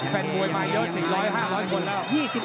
แฟนมวยมาเยอะ๔๐๐๕๐๐คนแล้ว